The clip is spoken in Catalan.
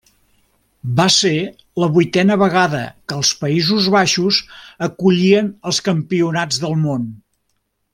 Va ser la vuitena vegada que els Països Baixos acollien els campionats del món.